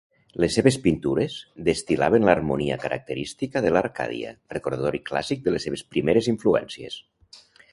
Les seves pintures destil·laven l'harmonia característica de l'Arcàdia, recordatori clàssic de les seves primeres influències.